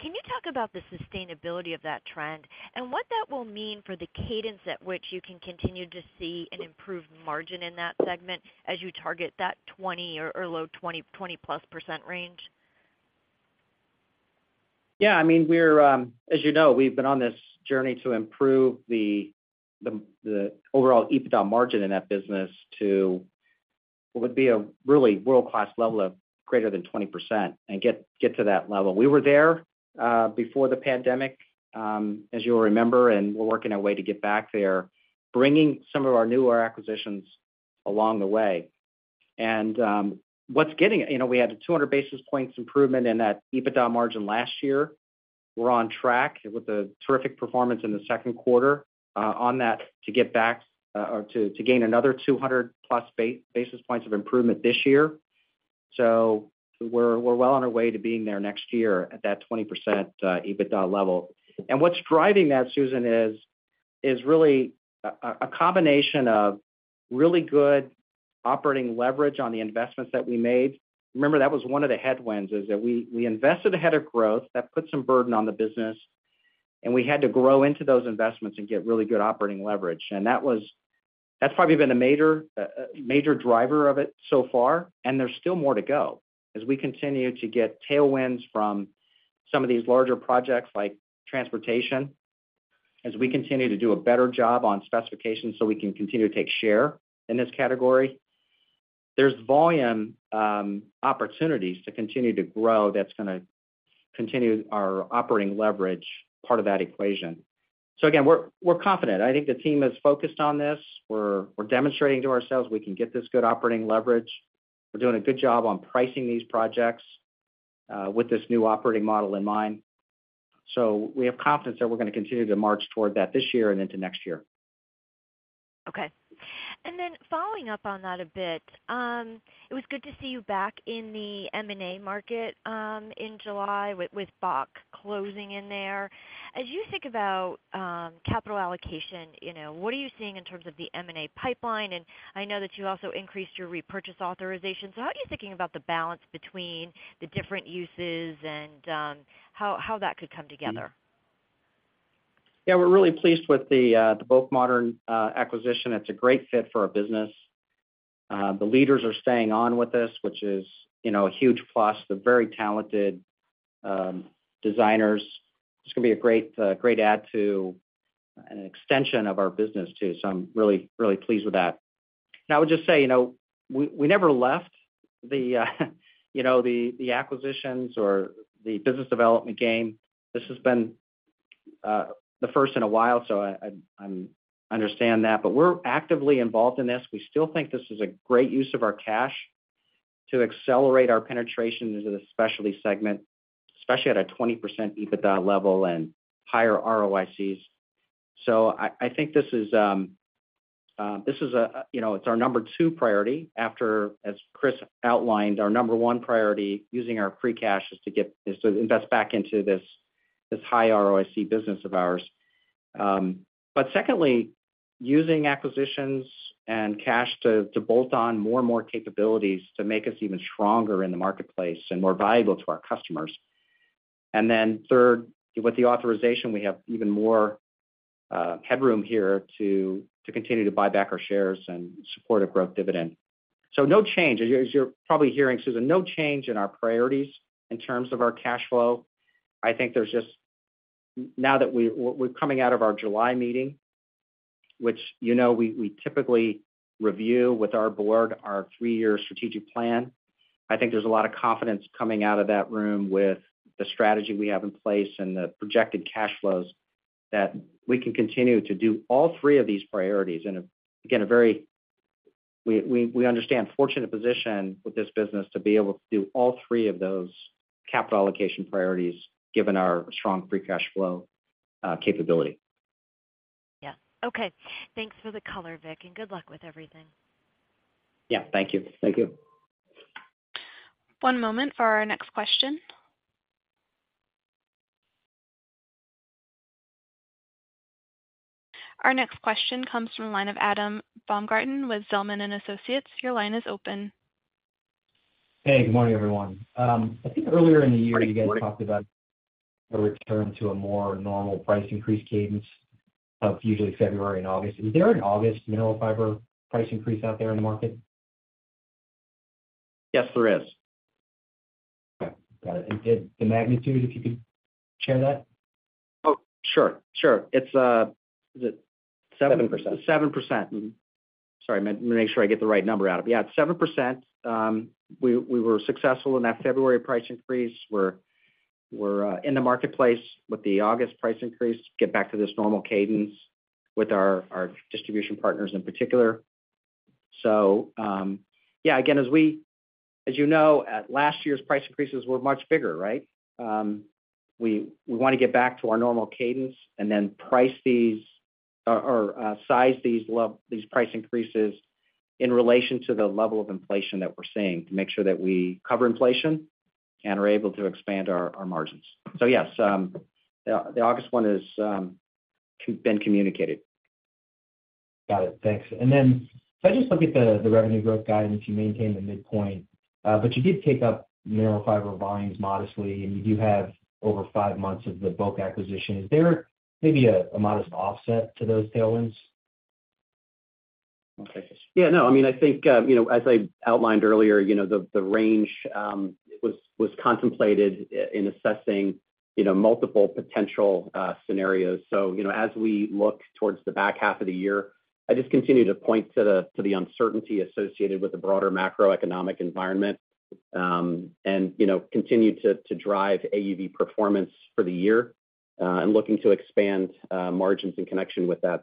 [SPEAKER 9] Can you talk about the sustainability of that trend and what that will mean for the cadence at which you can continue to see an improved margin in that segment as you target that 20 or low 20+% range?
[SPEAKER 3] I mean, we're, as you know, we've been on this journey to improve the overall EBITDA margin in that business to what would be a really world-class level of greater than 20% and get to that level. We were there before the pandemic, as you'll remember, we're working our way to get back there, bringing some of our newer acquisitions along the way. You know, we had a 200 basis points improvement in that EBITDA margin last year. We're on track with a terrific performance in the second quarter on that, to get back or to gain another 200 plus basis points of improvement this year. We're well on our way to being there next year at that 20% EBITDA level. What's driving that, Susan, is really a combination of really good operating leverage on the investments that we made. Remember, that was one of the headwinds, is that we invested ahead of growth. That put some burden on the business, and we had to grow into those investments and get really good operating leverage. That's probably been a major driver of it so far, and there's still more to go. As we continue to get tailwinds from some of these larger projects like transportation, as we continue to do a better job on specifications so we can continue to take share in this category, there's volume opportunities to continue to grow that's gonna continue our operating leverage part of that equation. Again, we're confident. I think the team is focused on this. We're demonstrating to ourselves we can get this good operating leverage. We're doing a good job on pricing these projects with this new operating model in mind. We have confidence that we're gonna continue to march toward that this year and into next year.
[SPEAKER 9] Okay. Following up on that a bit, it was good to see you back in the M&A market, in July with BOK Modern closing in there. As you think about capital allocation, you know, what are you seeing in terms of the M&A pipeline? I know that you also increased your repurchase authorization. How are you thinking about the balance between the different uses and how that could come together?
[SPEAKER 3] Yeah, we're really pleased with the BOK Modern acquisition. It's a great fit for our business. The leaders are staying on with this, which is, you know, a huge plus. They're very talented designers. It's gonna be a great add to an extension of our business, too, so I'm really, really pleased with that. I would just say, you know, we never left the, you know, the acquisitions or the business development game. This has been the first in a while, so I understand that. We're actively involved in this. We still think this is a great use of our cash to accelerate our penetration into the specialty segment, especially at a 20% EBITDA level and higher ROICs. I think this is, you know, it's our number two priority after, as Chris outlined, our number one priority, using our free cash, is to invest back into this high ROIC business of ours. Secondly, using acquisitions and cash to bolt on more and more capabilities to make us even stronger in the marketplace and more valuable to our customers. Third, with the authorization, we have even more headroom here to continue to buy back our shares and support a growth dividend. No change. As you're probably hearing, Susan, no change in our priorities in terms of our cash flow. I think there's now that we're coming out of our July meeting, which, you know, we typically review with our board our three-year strategic plan. I think there's a lot of confidence coming out of that room with the strategy we have in place and the projected cash flows, that we can continue to do all three of these priorities. Again, we understand fortunate position with this business to be able to do all three of those capital allocation priorities, given our strong free cash flow capability.
[SPEAKER 9] Yeah. Okay, thanks for the color, Vic, and good luck with everything.
[SPEAKER 3] Yeah, thank you. Thank you.
[SPEAKER 1] One moment for our next question. Our next question comes from the line of Adam Baumgarten with Zelman & Associates. Your line is open.
[SPEAKER 10] Hey, good morning, everyone. I think earlier in the year, you guys talked about a return to a more normal price increase cadence of usually February and August. Is there an August Mineral Fiber price increase out there in the market?
[SPEAKER 3] Yes, there is.
[SPEAKER 10] Okay, got it. The magnitude, if you could share that?
[SPEAKER 3] Oh, sure. It's. 7%. 7%. Sorry, I want to make sure I get the right number out. Yeah, it's 7%. We, we were successful in that February price increase. We're in the marketplace with the August price increase, to get back to this normal cadence with our distribution partners in particular. Yeah, again, as you know, at last year's price increases were much bigger, right? We, we want to get back to our normal cadence and then price these or, size these price increases in relation to the level of inflation that we're seeing, to make sure that we cover inflation and are able to expand our margins. Yes, the August one is been communicated.
[SPEAKER 10] Got it. Thanks. If I just look at the revenue growth guidance, you maintained the midpoint, you did take up Mineral Fiber volumes modestly, and you do have over 5 months of the BOK Modern acquisition. Is there maybe a modest offset to those tailwinds?
[SPEAKER 3] Yeah, no. I mean, I think, you know, as I outlined earlier, you know, the range was contemplated in assessing, you know, multiple potential scenarios. You know, as we look towards the back half of the year, I just continue to point to the uncertainty associated with the broader macroeconomic environment, and, you know, continue to drive AUV performance for the year, and looking to expand margins in connection with that.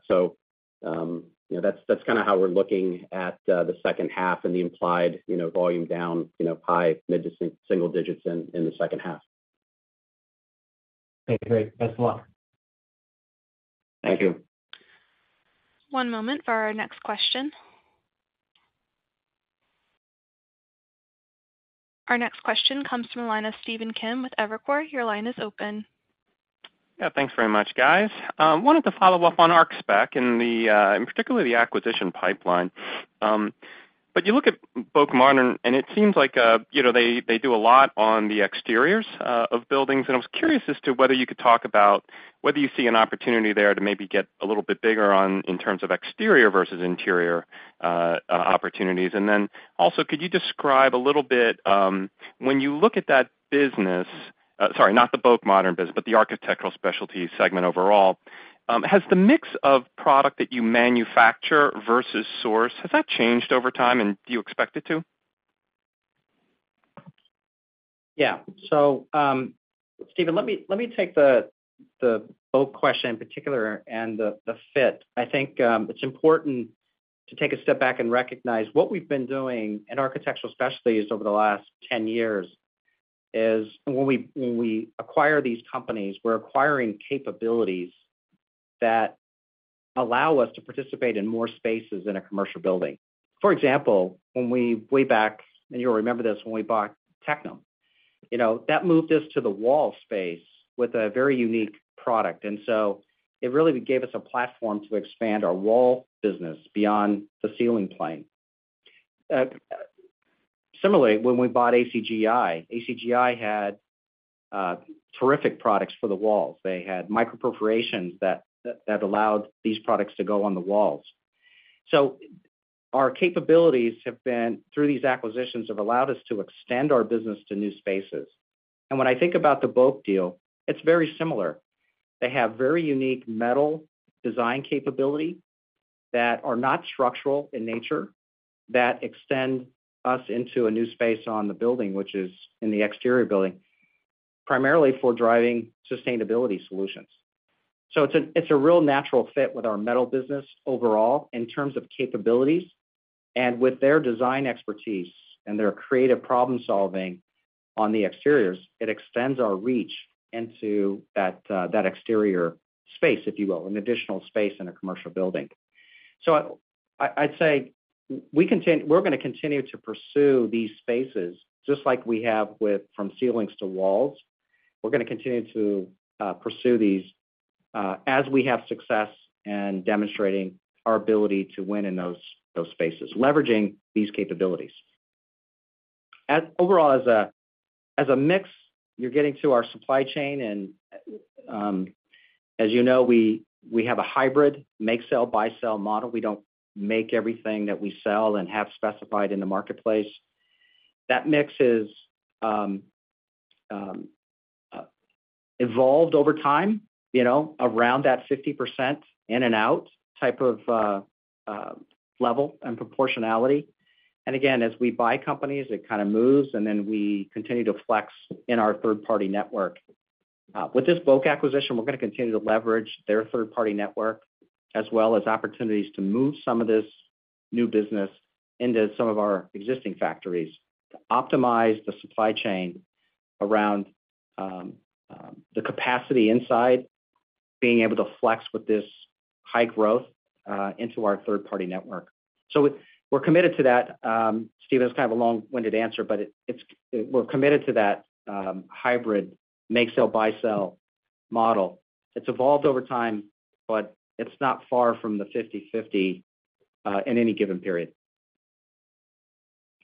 [SPEAKER 3] You know, that's kind of how we're looking at the second half and the implied, you know, volume down, you know, high mid to single digits in the second half.
[SPEAKER 10] Okay, great. Thanks a lot.
[SPEAKER 3] Thank you.
[SPEAKER 1] One moment for our next question. Our next question comes from the line of Stephen Kim with Evercore. Your line is open.
[SPEAKER 11] Yeah, thanks very much, guys. wanted to follow up on Archspec and the, and particularly the acquisition pipeline. You look at BOK Modern, and it seems like, you know, they do a lot on the exteriors of buildings. I was curious as to whether you could talk about whether you see an opportunity there to maybe get a little bit bigger on, in terms of exterior versus interior opportunities. Then also, could you describe a little bit, when you look at that business, sorry, not the BOK Modern business, but the Architectural Specialties segment overall, has the mix of product that you manufacture versus source, has that changed over time, and do you expect it to?
[SPEAKER 3] Yeah. Stephen, let me take the BOK question in particular and the fit. I think it's important to take a step back and recognize what we've been doing in Architectural Specialties over the last 10 years is when we acquire these companies, we're acquiring capabilities that allow us to participate in more spaces in a commercial building. For example, way back, and you'll remember this, when we bought Tectum, you know, that moved us to the wall space with a very unique product. It really gave us a platform to expand our wall business beyond the ceiling plane. Similarly, when we bought ACGI had terrific products for the walls. They had microperforations that allowed these products to go on the walls. Our capabilities, through these acquisitions, have allowed us to extend our business to new spaces. When I think about the BOK deal, it's very similar. They have very unique metal design capability that are not structural in nature, that extend us into a new space on the building, which is in the exterior building, primarily for driving sustainability solutions. It's a real natural fit with our metal business overall in terms of capabilities and with their design expertise and their creative problem-solving on the exteriors, it extends our reach into that exterior space, if you will, an additional space in a commercial building. I'd say we're gonna continue to pursue these spaces just like we have with from ceilings to walls. We're gonna continue to pursue these as we have success in demonstrating our ability to win in those spaces, leveraging these capabilities. Overall as a mix, you're getting to our supply chain and as you know, we have a hybrid make sell, buy, sell model. We don't make everything that we sell and have specified in the marketplace. That mix is evolved over time, you know, around that 50% in and out type of level and proportionality. Again, as we buy companies, it kind of moves, and then we continue to flex in our third-party network. With this BOK Modern acquisition, we're gonna continue to leverage their third-party network, as well as opportunities to move some of this new business into some of our existing factories, to optimize the supply chain around the capacity inside, being able to flex into our third-party network. We're committed to that. Steve, that's kind of a long-winded answer, but we're committed to that hybrid make-sell, buy-sell model. It's evolved over time, it's not far from the 50/50 in any given period.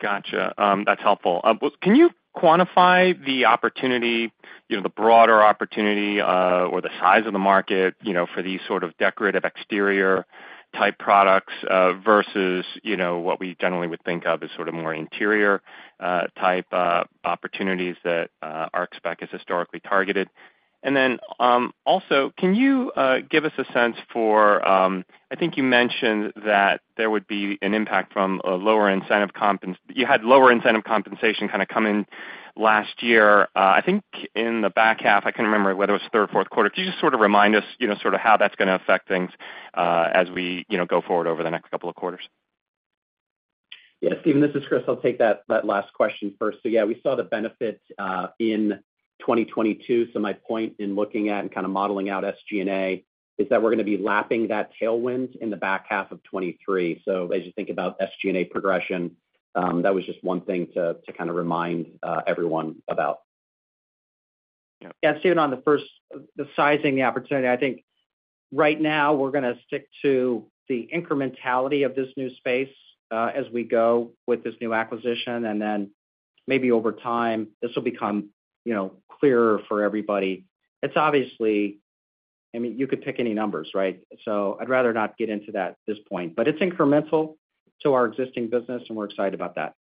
[SPEAKER 11] Gotcha. That's helpful. Well, can you quantify the opportunity, you know, the broader opportunity, or the size of the market, you know, for these sort of decorative exterior-type products, versus, you know, what we generally would think of as sort of more interior, type, opportunities that Archspec has historically targeted? Also, can you give us a sense for, I think you mentioned that there would be an impact from a lower incentive compensation kind of coming last year, I think in the back half. I can't remember whether it was third or fourth quarter. Could you just sort of remind us, you know, sort of how that's gonna affect things, as we, you know, go forward over the next couple of quarters?
[SPEAKER 4] Yes, Stephen, this is Chris. I'll take that last question first. Yeah, we saw the benefit in 2022. My point in looking at and kind of modeling out SG&A is that we're gonna be lapping that tailwind in the back half of 2023. As you think about SG&A progression, that was just one thing to kind of remind everyone about.
[SPEAKER 3] Yeah, Stephen, on the first, the sizing, the opportunity, I think right now we're gonna stick to the incrementality of this new space, as we go with this new acquisition, and then maybe over time, this will become, you know, clearer for everybody. It's obviously. I mean, you could pick any numbers, right? I'd rather not get into that at this point, but it's incremental to our existing business, and we're excited about that.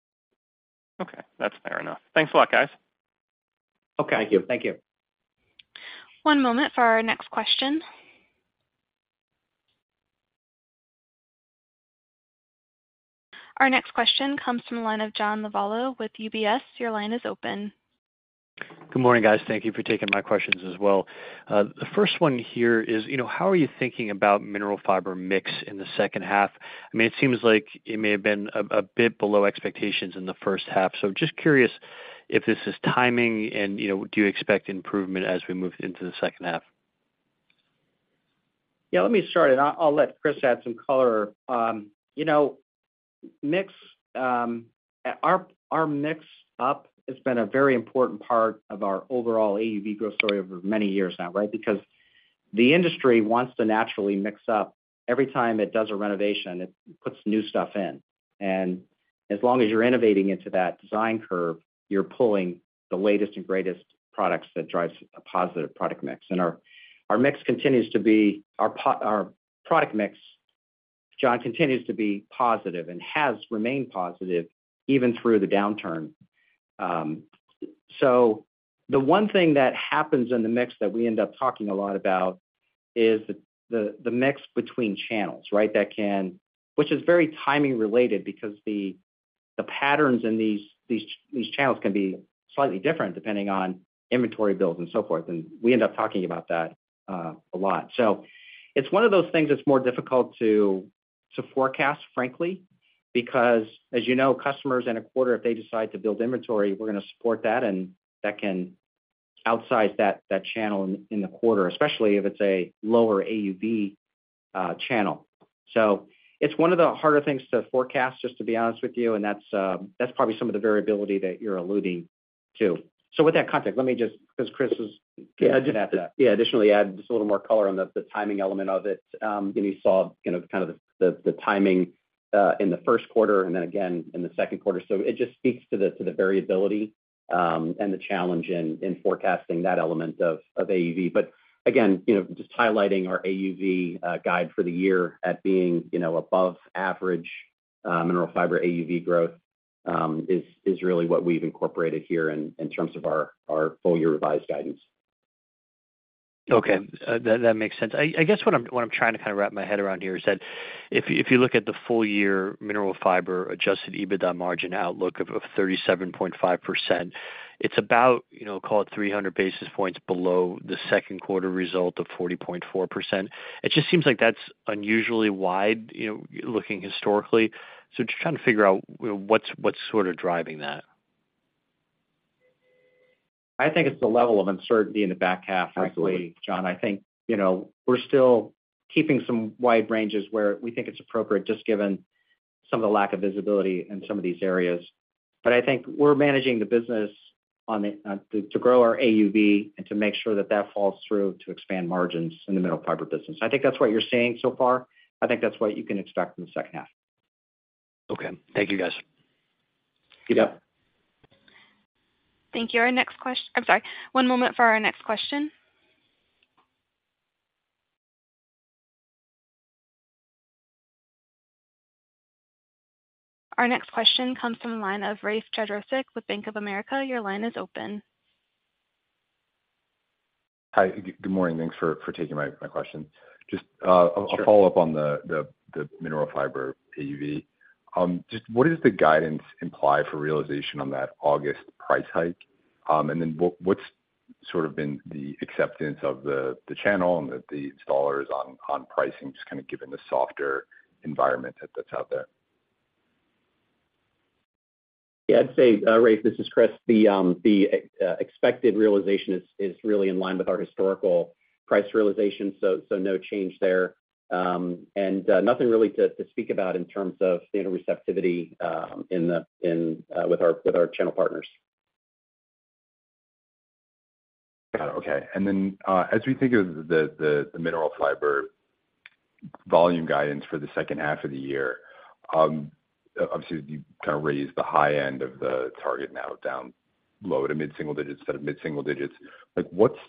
[SPEAKER 11] Okay, that's fair enough. Thanks a lot, guys.
[SPEAKER 4] Okay.
[SPEAKER 3] Thank you.
[SPEAKER 4] Thank you.
[SPEAKER 1] One moment for our next question. Our next question comes from the line of John Lovallo with UBS. Your line is open.
[SPEAKER 12] Good morning, guys. Thank you for taking my questions as well. The first one here is, you know, how are you thinking about Mineral Fiber mix in the second half? I mean, it seems like it may have been a bit below expectations in the first half. Just curious if this is timing and, you know, do you expect improvement as we move into the second half?
[SPEAKER 3] Yeah, let me start, and I'll let Chris add some color. You know, mix, our mix up has been a very important part of our overall AUV growth story over many years now, right? Because the industry wants to naturally mix up. Every time it does a renovation, it puts new stuff in. As long as you're innovating into that design curve, you're pulling the latest and greatest products that drives a positive product mix. Our mix continues to be our product mix, John, continues to be positive and has remained positive even through the downturn. The one thing that happens in the mix that we end up talking a lot about is the mix between channels, right? That can... Which is very timing related because the patterns in these channels can be slightly different depending on inventory builds and so forth, and we end up talking about that a lot. It's one of those things that's more difficult to forecast, frankly, because as you know, customers in a quarter, if they decide to build inventory, we're gonna support that, and that can outsize that channel in the quarter, especially if it's a lower AUV channel. It's one of the harder things to forecast, just to be honest with you, and that's probably some of the variability that you're alluding to. With that context, let me just, because Chris is.
[SPEAKER 4] Yeah. Yeah, additionally, add just a little more color on the timing element of it. You saw, you know, kind of the timing in the first quarter and then again in the second quarter. It just speaks to the variability and the challenge in forecasting that element of AUV. Again, you know, just highlighting our AUV guide for the year at being, you know, above average Mineral Fiber AUV growth is really what we've incorporated here in terms of our full year revised guidance.
[SPEAKER 12] Okay, that makes sense. I guess what I'm trying to kind of wrap my head around here is that if you look at the full year Mineral Fiber adjusted EBITDA margin outlook of 37.5%, it's about, you know, call it 300 basis points below the second quarter result of 40.4%. It just seems like that's unusually wide, you know, looking historically. just trying to figure out what's sort of driving that?
[SPEAKER 3] I think it's the level of uncertainty in the back half, frankly, John.
[SPEAKER 12] Absolutely.
[SPEAKER 3] I think, you know, we're still keeping some wide ranges where we think it's appropriate, just given some of the lack of visibility in some of these areas. I think we're managing the business on the to grow our AUV and to make sure that that falls through to expand margins in the Mineral Fiber business. I think that's what you're seeing so far. I think that's what you can expect in the second half.
[SPEAKER 12] Okay. Thank you, guys.
[SPEAKER 3] Yep.
[SPEAKER 1] Thank you. I'm sorry, one moment for our next question. Our next question comes from the line of Rafe Jadrosich with Bank of America. Your line is open.
[SPEAKER 13] Hi. Good morning. Thanks for taking my question. Just.
[SPEAKER 3] Sure.
[SPEAKER 13] I'll follow up on the Mineral Fiber AUV. Just what does the guidance imply for realization on that August price hike? What's sort of been the acceptance of the channel and the installers on pricing, just kind of given the softer environment that's out there?
[SPEAKER 4] Yeah, I'd say, Rafe, this is Chris. The expected realization is really in line with our historical price realization, so no change there. Nothing really to speak about in terms of standard receptivity in with our channel partners.
[SPEAKER 13] Got it. Okay. As we think of the Mineral Fiber volume guidance for the second half of the year, obviously, you kind of raised the high end of the target now down low to mid-single digits instead of mid-single digits. Like, what's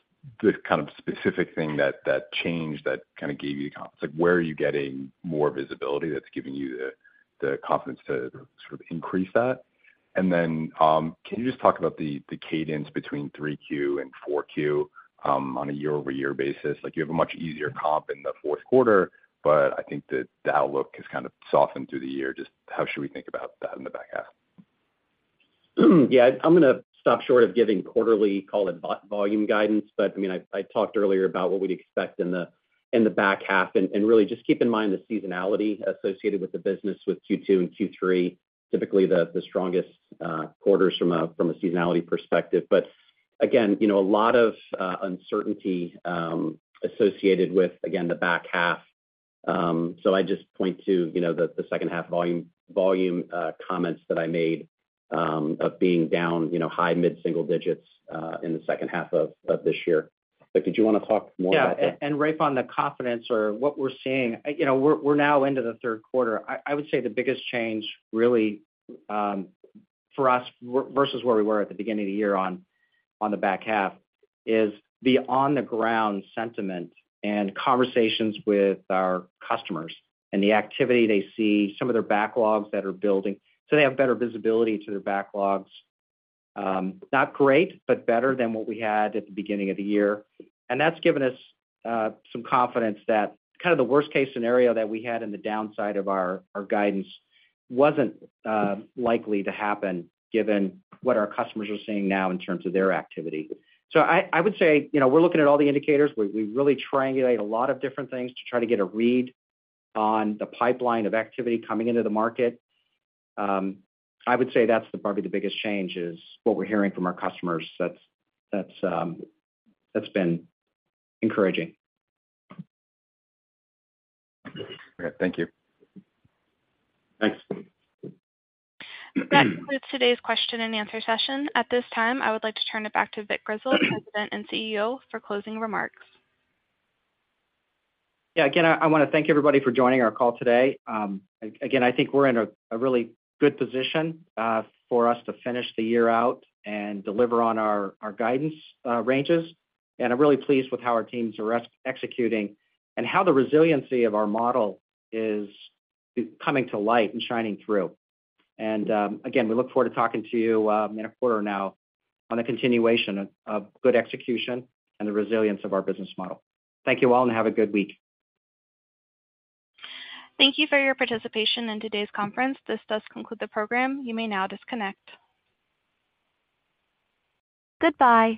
[SPEAKER 13] the kind of specific thing that changed, that kind of gave you Like, where are you getting more visibility that's giving you the confidence to sort of increase that? Can you just talk about the cadence between 3Q and 4Q on a year-over-year basis? Like, you have a much easier comp in the fourth quarter, but I think the outlook has kind of softened through the year. Just how should we think about that in the back half?
[SPEAKER 4] Yeah, I'm gonna stop short of giving quarterly, call it, volume guidance. I mean, I talked earlier about what we'd expect in the back half, and really just keep in mind the seasonality associated with the business with Q2 and Q3, typically the strongest quarters from a seasonality perspective. Again, you know, a lot of uncertainty associated with, again, the back half. I just point to, you know, the second half volume comments that I made of being down, you know, high mid-single digits in the second half of this year. Vic, did you wanna talk more about that?
[SPEAKER 3] Yeah, and Rafe, on the confidence or what we're seeing, you know, we're now into the third quarter. I would say the biggest change really, for us, versus where we were at the beginning of the year on the back half, is the on-the-ground sentiment and conversations with our customers and the activity they see, some of their backlogs that are building. They have better visibility to their backlogs. Not great, but better than what we had at the beginning of the year. That's given us some confidence that kind of the worst-case scenario that we had in the downside of our guidance wasn't likely to happen, given what our customers are seeing now in terms of their activity. I would say, you know, we're looking at all the indicators. We really triangulate a lot of different things to try to get a read on the pipeline of activity coming into the market. I would say that's probably the biggest change, is what we're hearing from our customers. That's been encouraging.
[SPEAKER 13] Okay. Thank you.
[SPEAKER 4] Thanks.
[SPEAKER 1] That concludes today's question and answer session. At this time, I would like to turn it back to Vic Grizzle, President and CEO, for closing remarks.
[SPEAKER 3] Yeah. Again, I wanna thank everybody for joining our call today. Again, I think we're in a really good position for us to finish the year out and deliver on our guidance ranges. I'm really pleased with how our teams are executing and how the resiliency of our model is coming to light and shining through. Again, we look forward to talking to you in a quarter now on the continuation of good execution and the resilience of our business model. Thank you all, have a good week.
[SPEAKER 1] Thank you for your participation in today's conference. This does conclude the program. You may now disconnect. Goodbye.